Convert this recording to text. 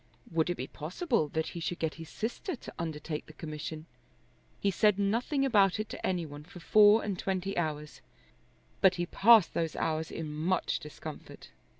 Would it be possible that he should get his sister to undertake the commission? He said nothing about it to any one for four and twenty hours; but he passed those hours in much discomfort.